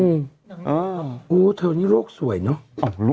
อืมโอ้โฮเธอนี้โรคสวยเนาะ